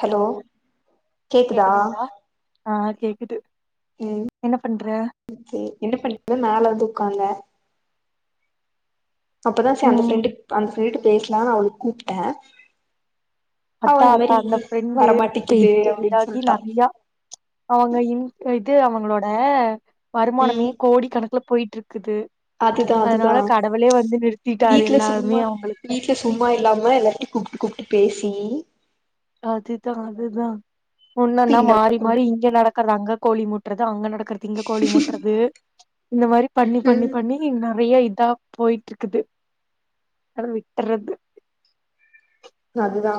Hello கேக்குதா கேக்குதுங்களா ஆ கேக்குது ம் என்ன பண்ற சரி என்ன படிகிற நாலாது க்காங்க அப்பதான் சார் அந்த ம் ப்ரெண்டு அந்த வீட்டு பேஸ்லாம்னு அவ கூப்பிட்டேன் அத்தா அத்தா அந்த ப்ரெண்டு அப்டின்னு இதாகி சொல்ட்டா நெறையா அவங்க இ இது அவங்க உங்களோட வருமானமே கோடி கணக்கில போயிட்டு இருக்கு அதுதான் அதுதான் வந்து நிறுத்திட்டாரு வீட்ல எல்லாருமே சும்மா அவங்களுக்கு வீட்ல சும்மா இல்லாம எல்லார்ட்டையும் கூப்பிட்டு கூப்ட்டு பேசி தி அதுதான் அதுதான் இப்ப ஒன்னுன்னா இந்த மாறி அளவுக்கு கொண்டு மாறி இங்க நடக்கறது அங்க கோழி முட்டுறது அங்க நடக்கிறத இங்க கோழி மூட்றது இந்த மாரி பண்ணி பண்ணி ம் பண்ணி நறைய இதா. போயிட்டு இருக்குது. நானு விட்டுறது. அதுதா.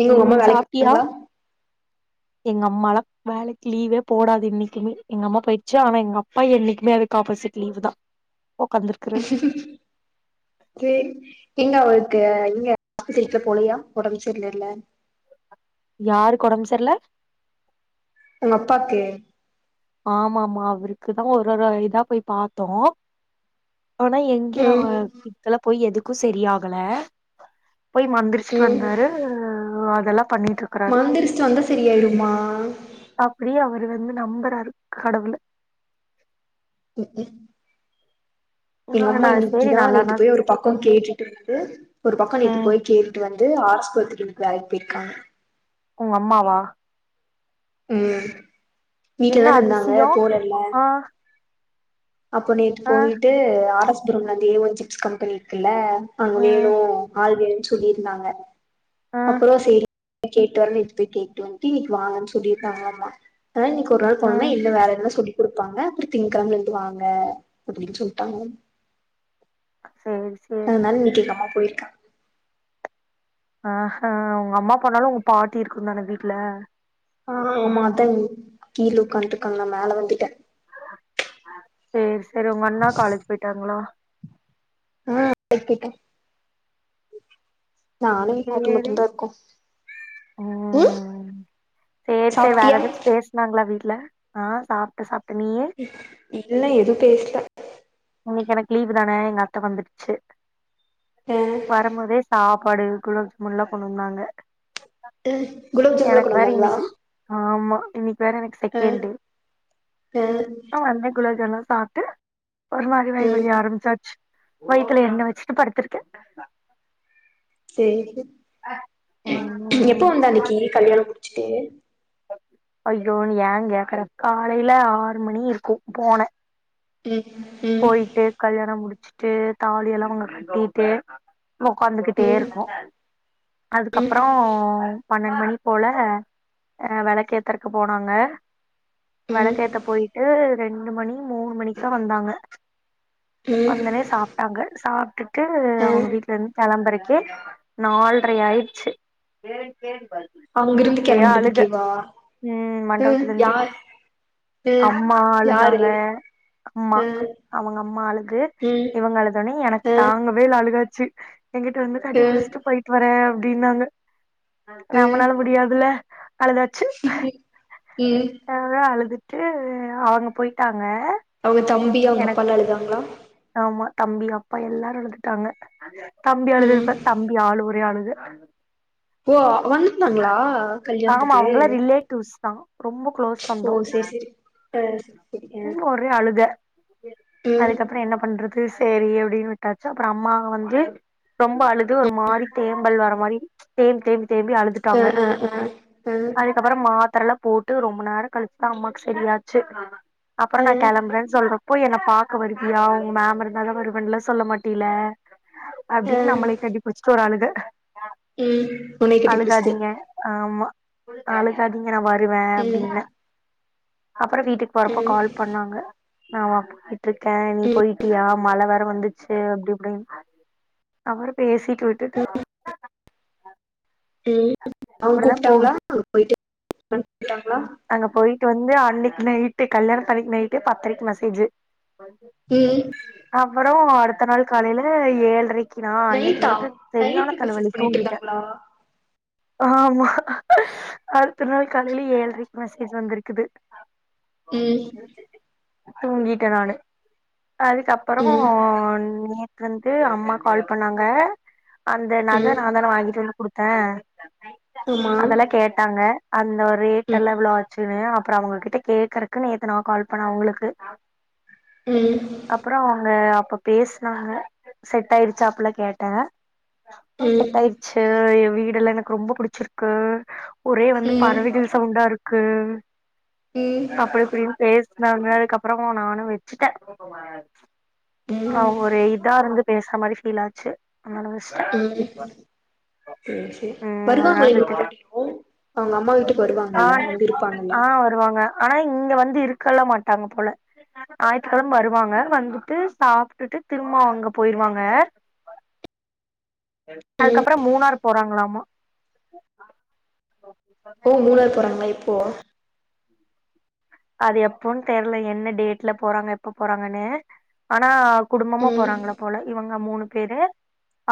நீங்க உங்க ம் வேலைக்கு சாப்ட்டியா போறிங்களா. எங்க அம்மாலா வேலைக்கு லீவே போடாது என்னைக்குமே எங்க அம்மா போயிடுச்சு ஆனா எங்க அப்பா என்னைக்குமே அதுக்கு ஆப்போசிட் லீவுதா உக்காந்துருக்குது. சேரி எங்க அவளுக்கு இங்கப் பாக்கல போலியா ஒடம்பு சரியில்லல. யாருக்கு ஒடம்பு சரியில்ல. உங்க அப்பாக்கு. ஆமா ஆமா அவருக்குதா ஒரு ஒரு இதா போய் பாத்தோ. ஆனா எங்கேயோ ம் எலா போய் எது. க்கு செரியாகல. போய் மந்துருச்சுட்டு வந்தாரு வந். மாந்துரிச்சுட்டு வந்தா செரியாயிடுமா. அது வந்து நம்புறாரு. கடவுள. உம் உ. எங்க அம்மா நா சேரி இன்னிக்குதா நேத்து நல்லானா போய் ஒரு பக்கோ கேட்டுட்டு வந்து ஒரு பக்கோ நேத்து ம் போய் கேட்டுட்டு வந். த்து ஆஸ்பத்திரிக்கு வேலைக்கு போயிருக்காங்க. உங்க அம்மாவா. உஹம். என்ன வீட்லதான இருந்தாங்க அதிசயோ போலல்ல. ஆ அப்ப நேத்து ஆ போயிட்டு அரச். [unintelligible] சிப்ஸ் கம்பெனிருக்குல்ல. அங்க ம் வேணு ஆள் வேணும்னு சொல்லிருந்தாங்க. ஆ அப்புறோ சேரி. கேட்டு வரனு இப்ப போய் கேட்டு வன்ட்டு இன்னிக்கு வாங்கன்னு சொல்லிருக்காங்களாமா. அதா இன்னிக்கு ஒரு நாள் ஆ போனன்னா என்ன வேலன்லா சொல்லி. குடுப்பாங்க அப்படி திங்ககெழமைளிருந்து. வாங்க அப்படின்னு சொல்லிட்டாங்களாமா. சேரி சேரி அதுனால இன்னிக்கு எங்க அம்மா. போயிருக்கா. அஹஹே உங்க அம்மா போனாலு உங்க பாட்டி இருக்குந்தான வீட்ல. ஆஹ ஆமா அதா கீழ உட்காந்துட்டுருக்காங்க நா மேல வந்துட்ட. சேரி. சேரி உங்க அண்ணா காலேஜ் போயிட்டாங்களா. ஆஹ கிட்ட. நானு எங்க பாட்டியு சேரி மட்டுதா இருக்கோ. உம் ம் சேரி சேரி வேற ஏதாச்சு பேசுனாங்களா வீட் ல ஆ சாப்ட்ட சாப் இல்ல எது பேசுல இன்னைக்கி எனக்கு லீவுதான எங்க அத்த வந்துடுச்சு ஆ வரும்போதே சாப் பாடு குலோப்ஜாமுன்லா கொண்டு வந்தாங்க ஆ குலோப் ஜாமுன்லா எனக்கு கொண்டு வேற வந்தாங்களா இன்னைக்கி ஆமா இன்னைக்கி வேற எனக்கு ஆ செகண்டு ஆ ஆ அந்த குலோப்ஜாம்னுலா சாப்ட்டு ஒரு மாரி வயிறு வலி ம் ஆரம்ப்ச்சாச்சு வயித்துல எண்ணை வச்சுட்டு படுத்திருக்க செரி [unintelligible] ம் எப்போ வந்த அன்னைக்கி கல்யாணோ சேரி ஐயோ ஏன் கேக்கற காலையில ஆறு மணி இருக்கு போனே ம் ம் போயிட்டு கல்யாணோ முடி ச்சிட்டு தாலி எல்லா அவங்க கட்டிட்டு உக்காந்துகிட்டே ம் இருக்கோ அதுக்கப்றோ பண்ணெண்டு மணி போல அ வெளக்கு ஏத்தறக்கு போனாங்க ம் ம் வெளக்கேத்த போயிட்டு ரெண்டு மணி மூணு மணிக்குதா வந்தாங்க ம் வந்தொடனே சாப்ட்டாங்க சாப்டுட் ட்டு ஆ அவங்க வீட்ல இருந்து கெளம்பறக் கு நால்ரையாயிருச்சு சேரி சேரி அங்கிருந்து ஒரே அழுக கெளம்புறதுக்கேவா உம் ம் மண்டபத்துலிருந்து யார் ம் அம்மா யாரு அழுதாங்க அம்மா ம் அவங்க அம்மா அழுது ம் இவங்க அழுதோன்னே எனக்கு ஆ தாங்கவே இல்ல அழுகாச் ச்சு என்கிட்ட வந்து கட்டி ம் புடிச்சிட்டு போயிட்டு வரே அப்டின்னாங்க ம் நம்மனால முடியாதுல்ல அழுதாச்சு உம் ட்டு அவங்க போயிட்டாங்க அவங்க தம்பி அவங்க அப்பாலா அழுதாங்களா அம்மா தம்பி அப்பா எல்லாரு அழுதுட்டாங்க தம்பி அழுதது ம் பாத் தம்பி அழுவுறியா அழுவு [inaudible] ஓ வந்துருந்தாங்ளா ஆமா கல்யாணத்துக்கு அவங்களா ரிலேட்டிவ்ஸ் தா ரொம்ப கு்ளோஸ் ஓ சொந்தொ சேரி சேரி ஆ சேரி சேரி ஆ ம் ஒரே அழுக ம் அதுக்கப்றோ என்ன ப ண்றது சேரி அப்டின் விட்டாச்சு அப்றொ அம்மா வந்து ரொம்ப அழுது ஒரு மாரி தேம்பல் வர மாரி தேம் தேம்பி தேம்பி ஆ அழுதுட்டாங்க ஆ ஆ அதுக்கப்பறோ மாத்தரலா போட்டு ரொம்ப நேர கழிச்சுதா அம்மாக்கு சரியாச்சு அப்றோ ஆ ஆ நா கெளம்புரேன் சொல்ற ப்போ என்ன பாக்க வருவியா மேம் இருந்தா தா வருவன்லா சொல்ல மாட்டில்ல ஆ அப்டீன் நம்மளை கட்டுபிடிச்சுட்டு ஒரு அழுக ம் உன்னை கட்டி பிடிச்சுட்டு அழுகாதீங் நா வருவே அப்டின்னே அப்புறோ வீட்டுக் போறப்போ ம் கால் பண்ணாங்க ஆமா விட்ருக்கே நீ ம் போயிட்டியா மழ வேற வந்துச்சு அப்டி இப்டின் அவர் பேசி ட்டு விட்டுட்டு ம் அவுங்க கூப்ட்டாங்களா அங்க போயிட்டு பொய்ட்டாங்ளா அங்க போயிட்டு வந்து அன்னக்கி நைட்டு கல்யாணத்தன்னிக்கு நைட்டு பத்தரைக்கு மெசேஜு ம் [unintelligible] னோ அடுத்த நாள் காலைல ஏழ்ரை க்கினா அன்னக்கி நைட்டா நைட்டு செரியான நைட்டு தலவலி மெசேஜ் பண்ணிட்டு தூங்கிட்டே இருந்தாங்களா ஆமா அடுத்த நாள் காலைல ஏழ்ரைக் மெசேஜ் வந்துருக்குது ம் தூங்கிட்டே நானு அதுக்கப்பறோ ம் நே த்து வந்து அம்மா கால் பண்ணாங்க அந்த நக ம் நாந்தான வாங்கிட்டு வந்து குடுத். ஆஹ. ஆமா அதெல்லா கேட்டாங்க. அந்த ஒரு. ம் எல்லா எவ்ளோ ஆச்சுனு. அப்புறோ அவங்க கிட்ட கேக்குறக்கு நேத்து நா கால் பண்ண அவுங்களுக்கு. ம் அப்புறோ அவுங்க. அப்ப பேசனாங்க செட் ஆயிடுச்சா அப்டில்லா கேட்ட. அப்புறோ ம் செட்டாயிருச்சு எ வீ. இதெல்லா எனக்கு ரொம்ப புடிச்சிருக்கு. ஒரே வந்து ம் பறவைகள். யாருக்கு. ம் அப்படி இப்டினு பேசி. நார்மலானதுக்கு அப்புறோ நானு வெச்சுட்ட. அஹ ம் ஒரு இதே இருந்து. பேசுற மாரி ஃபீல்லாச்சு. உஹம் சேரி சேரி ம் அதனால வருவாங்களா இங்க விட்டுட்டே மறுவடியு. அவங்க அம்மா வீட்டுக்கு ஆ வருவாங்கல்ல வந்து இருப்பாங்கல்ல. ஆ வருவாங்க ஆனா இங்க வந்து இருக்கல்லா மாட்டாங்க போல ஞாயித்துக்கெழம வருவாங்க வந்துட்டு சாப்புட்டுட்டு திரும்ப அவங்க போயிருவாங்க. ம் அதுக்கப்பறோ மூணார் போறாங்களாமா. ஓ மூணாறு போறாங்களா எப்போ. அது எப்போன்னு தெரியல என்ன டேட்ல போறாங்க எப்ப போறாங்கன்னு ஆனா. குடும்பமா ம் போறங்களா போல இவங்க. ங்க மூணு பேரு.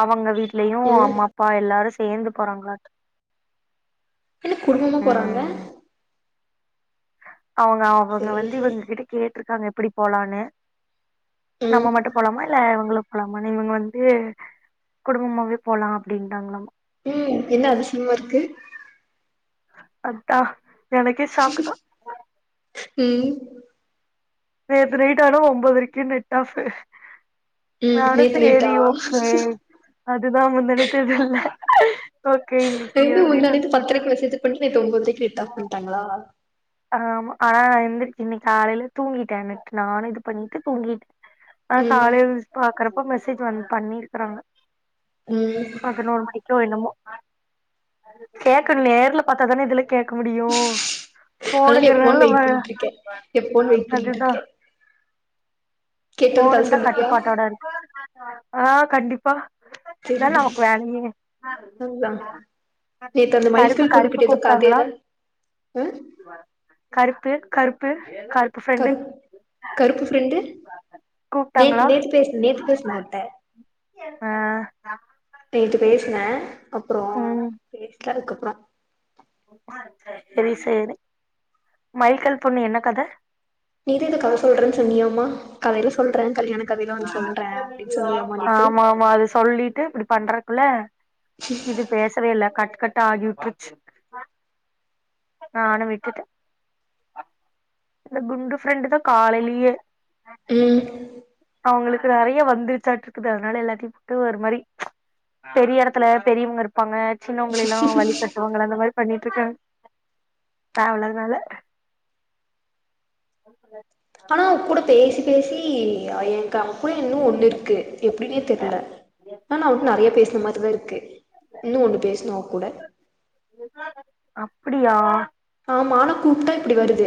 அவங்க வீட். லயு அ அம்மா அப்பா எல்லாரு சேத். சேர்ந்து போறாங்களாட்டுக். என்ன குடும்பமா போறாங்க. அவங்க அவங்க சேரி வந்து சேரி இவங்ககிட்ட கேட். ற்றுருக்காங்க எப்படி போலான்னு. ம் நம்ம மட்டு போலாமா இல்ல இவங்களு. லாமானு இவங்க வந்து குடும்பமாவே போலா அப்படின்டாங்களாமா. உம் என்ன அதிசிம்மா இருக்கு. அத்தா. எனக்கே சாக்குதா. ம் நேத்து நைட் ஆனா ஒன்பதரைக்கு நெட் ஆப் ம் நானும் நேத்து நைட்டா சரி ஓகே அதுதான் முந்தாநேத்துல ஓகே இன்னைக்கு நேத்து அப்படின்னு முந்தா நேத்து நெனச்சு பத்தரைக்கு விட்டுட்டே மெசேஜ் பண்ணிட்டு நேத்து ஒன்பதரைக்கு ரிப்ளை பண்ட்டாங்களா ஆமா ஆனா எந்திருச்சு இன்னைக்கு காலையில தூங்கிட்டே நெட் நானும் இது பண்ணிட்டு தூங்கிட்டேன் ஆ ம் காலைல எந்திரிச்சு பாக்குறப்ப இப்ப மெசேஜ் வந்து பண்ணிருக்கறாங்க ம் பதினோரு மணிக்கோ என்னமோ கேக்கணும் நேருல பார்த்தாதானே இதுலாம் கேக் க முடியும் அதனால எப்போனு வெயிட் பண்ணிட்டு இருக்கேன் எப்போன்னு வெயிட் பண்ணிட்டு அதுதா இருக்கேன் கேட்டோன தர போனுந்தா சொல்லுவியா கட்டுப்பாட்டோட இருக்கு ஆ கண்டிப்பா அதான சேரிடி பிளானே நீ அதுதா நேத்து அந்த கருப்பு மைல்கல் கருப்பு பொண்ணுகிட்ட ஏதோ கூப்ட்டாங்களா கதையெல்லா ஆ கருப்பு கருப்பு கருப்பு கருப்பு ஃப்ரெண்டு நேத்து கூப்ட்டாங்களா நேத்து பேசு நேத்து பேசுனேன் அவள்ட்ட ஆ நேத்து பேசினே அப்புறம் ம் பேஸ்லா அதுக்கப் [unintelligible] செரி செர்ரி மைக்கல் பொண்ணு என்ன கத நீ தான் ஏதோ கதை சொல்றேன்னு சொன்னியமா கதையில சொல்றே கல்யாண கதையில வந்து சொல்றே அப்டின்னு சொன்னியாமா நேத்து ஆமா ஆமா அது சொல்லிட்டு இப்படி பண்ற புள்ள இது பேசவே இல்ல கட் கட் தாகி உற்றுச் நானும் விட்டுட்ட இந்த குண்டு ஃரெண்ட்தான் காலையிலையே ம் அவங்களுக்கு நிறைய வந்துருச்சாட் ருக்கு அதனால எல்லாத்தையும் போட்டு ஒரு மாதிரி பெரிய இடத்துல பெரியவங்க இருப்பாங்க சின்னவங்கள எல்லாம் வழி கட்டு அந்த மாதிரி பண்ணிட்டு இருக்கே தேவல்லாத நாள ஆனா அவ கூட பேசி பேசி எனக்கு அப்டி இன்னு ஒன்னு இருக்கு எப்டினே தெர்ல ஆனா அவட்ட நெறைய பேசுன மாரிதா இருக்கு இன்னு ஒண்ணு பேசனு அவ கூட அப்புடியா [unintelligible] கூப்ட்டா இப்புடி வருது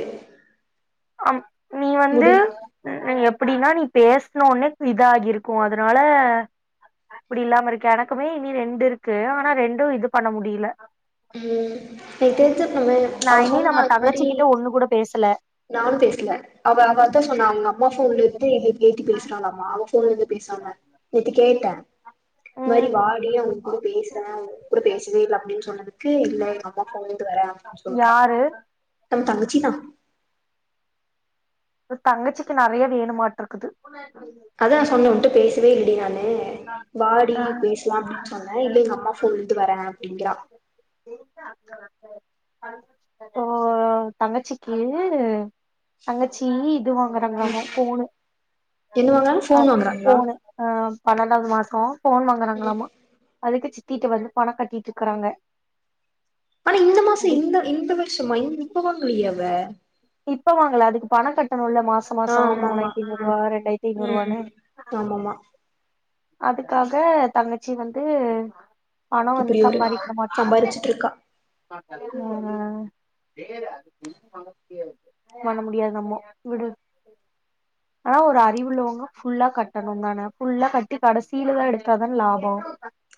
அ நீ வந்து முடி நி எப் புடின்னா நீ பேசுனோனா இதாகிருக்கு அதுனால இப்புடி இல்லாம இருக்கு எனக்குமே இனி ரெண்டு இருக்கு ஆனா ரெண்டு இது பண்ண முடில உம் நீ தெரிஞ்சுர்கணுமே நா அவ இனி நம்ம சொன்னா இது தங்கச்சி மாரி கிட்ட ஒண்ணு கூட பேசல நானும் பேசல அவ அவ அதா சொன்னா அவுங்க அம்மா ஃபோன்லருந்து [unintelligible] கேட்டி பேசுறாளாமா அவ ஃபோன்லெந்து பேசாம நேத்தி கேட்டே இது மாரி ம் வாடி அவுங்க கூட பேசுறே அவுங் கூட பேசவே இல்ல அப்டின் சொன்னதுக்கு இல்ல எங்க அம்மா ஃபோன்லெந்து வரே அப்டின் சொல்றா யாரு நம் தங்கச்சிதா தங்கச்சிக்கு நெறைய வேணுமாட்டுருக்குது அதா நா சொன்னே உன்ட்ட பேசவே இல்லடி நானு வாடி ஆ பேசலா அப்டின் சொன்னே இல்ல எங்க அம்மா ஃபோன்லெந்து வரே அப்டிங்கிறா ஓ தங்கச்சிக்கு தங்கச் ச்சி இது வாங்கறாங்களாமா ஃபோனு என்ன வாங்குறாங்க அ ஃபோன் வாங்குறாங்களா ஃபோனு ஆ பன்னெண்டாவ்து மாசொ ஃபோன் ம் வாங்கறாங்களாமா அதுக்கு சி த்தீட்டு வந்து பண கட்டிட் இக்குறாங்க ஆனா இந்த மாச இந்த இந்த வருஷமா இ ப்போ வாங்களையே அவ இப்ப வாங்கள அதுக்கு பண கட் டனுல்ல மாச ஆ மாசொ ஆமாமா மூணாயிரத்தி ஆ ஐநூறுவா ரெண்டாயிரத்தி ம் ஐநூறுவானு ஆமாமா அதுக்காக தங்கச்சி வந்து பணோ வந்து இப்பிடி ஒரு சம்பாரிச்சுட்ருக்கா உம் பண்ண முடியாது நம்மொ விடு ஆனா ஒரு அறிவுள்ளவங்க ஃபுல்லா கட்டணுந்தான ஃபுல்லா கட் டி கடசீலதா எடுத்தாதான் லாபொ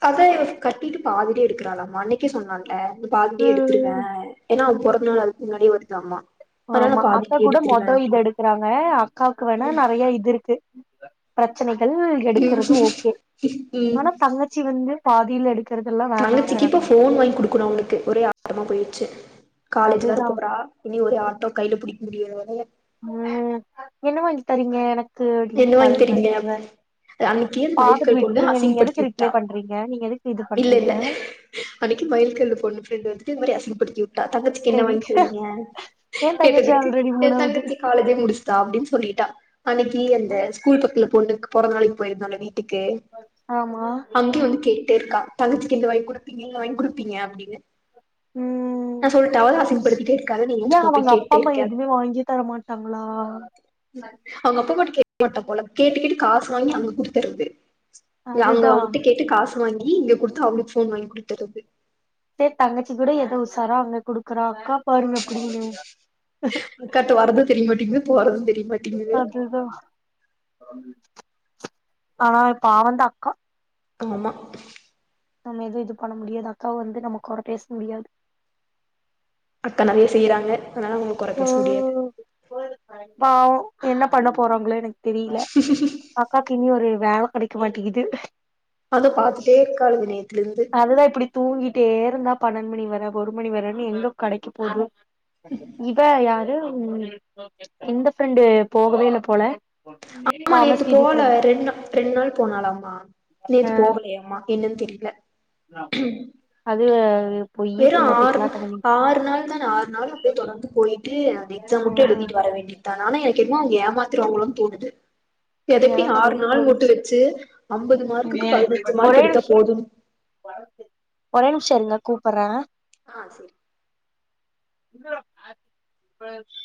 அதா இவ கட்டிட்டு பாதிலே எடுக்குறாளாமா அன்னைக்கே சொன்னா ல்ல இத பாதிலே எடுத்துருவே ம் ஏன்னா அவ பொற ந்தநாள் அதுக் முன்னாடியே வருதாம்மா ஆமா அக்கா கூட மொத இது எடுக்குறாங்க அக்காக்கு வேணா நெறைய இது இருக்கு ப்ரச்சனை கள் எடுக்குறது ஓகே‌ ம் ம் ஆனா தங்கச்சி வந்து பாதில எடு தங்கச்சிக்கு இப்ப ஃபோன் வாயிங்குடுக்கணு அவளுக்கு ஒரே ஆட்டமா போய்ருச்சு காலேஜு வர அதுதா போறா இனி ஒரே ஆட்டோ கைல புடிக் முடியா [unintelligible] உம் என்ன வாங்கி தரீங்க எனக் என்ன வாங்கி தெரியங்க அப்டின்னு அன்னைக்கு பாத்துட்டு மயில்கல் பொண்ணு விட்ருங்க அசி நீங்க படுத்தி எதுக்கு ரிப்ளை விட்டான் பண்றீங்க நீங்க எதுக்கு இது இல்ல பண்றீங்க இல்ல அன்னைக்கு மயில் கல்ல பொண்ணு வந்துட்டு மாரி இப்டி த தங்கச்சிக்கு என்ன தெரி வாங்கி தெவங்க ஏ தங்கச்சி ஆல்ரெடி கேட்டதுக்கு மூணாவது தங்கச்சி காலேஜ் முடிச்சுட்டா அப்டின்னு சொல்லிட்டா [unintelligible] நீ அந்த ஸ்கூல் பக்கத்துல பொண்ணு பொறந்த நாளைக் போயிருந்தோல்ல வீ ட்டுக்கு ஆமா அங்யு வந்து கேட்டேருக்கா தங்கச்சிக்கு இந்து வாங் குடுப்பீங்க இத வாங்குடுப்பீங்க அப்டின்னு ம் நா சொல்ட்டா அவதா அசிங்கப்படுத்திட்டே இருக்காத நீ ஏ சும்மா அவங்க போய் அப்பா கேட்டே அம்மா இருக்க எதுவுமே வாங்கியே தர மாட்டாங்களா அவுங்க அப்பம்மாட்ட கேக் மாட்டா போல கேட்டு கேட்டு காசு வாங்கி அங்க குடுத்தர்றது அங்க அதுதா அவுங்கட்ட கேட்டு காசு வாங்கி இங்க குடுத்து அவளுக்கு ஃபோன் வாங்கி குடுத்தர்றது சே தங்கச்சி கூட எதோ உசாரா அவனுக் குடுக்குறா அக்கா பாருங்க அப்புடினு அக்காட்ட வர்றது தெரியமாட்டேக்குது போறது தெரியமாட்டிங்குது ஆ பாவந்தா அக்கா ஆமா நம்ம எதுவு இது பண்ண முடியாது அக்காவ வந்து நம்மக் கொற பேச முடியாது. அக்கா நெறைய செய்யுறாங்க அனால அவுங்கள கொற பேச முடியாது ம் பாவோ என்ன பண்ண போறாங்களொ எனக் தெரியில அக்காக்கு இனி ஒரு வேல கெடைக்க மாட்டிக்கிது அத பாத்துட்டே இருக்காளுங்க நே அதுதா இப்பிடி தூங்கி ட்டேருந்தா பன்னெண் மணி வர ஒரு மணி வரன்னு எங்க கடைக்கு போது இவ யாரு ம் இந்த ஃப்ரெண்டு போகவே இல்ல போல ஆமா தாமஸ் நேத்து வீதி போல ஃப்ரெண்டு ரெண் நா ரெண் நாள் போனாளாம்மா நேத்து போகலையாம்மா என்னன் தெரில அது பொய்யி வெறு புண்ணாக்கு ஆறு பித்தலாட்டம் பண்ணி ஆறு நாள் தான ஆறு நாள் அப்டியே தொடர்ந்து போயிட்டு அந்த எக்ஸாம் மட்டு ம் எழுதிட்டு வர வேண்டிதானெ ஆனா என க்கென்மோ அவுங்க ஏமாத்திருவாங்களோன் தோனுது தெரப்பி எனக்கு ஆறு அப்படிதா நாள் மட்டு தோணுச்சு வச்சு அம்பது மார்க்குக்கு ம் பதினஞ்சு மார்க் ஒரே எடுத்தா நிமிஷ போதுன் கூப்புர்றே ஆ சேரி [inaudible]